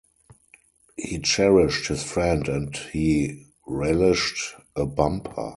He cherished his friend and he relished a bumper.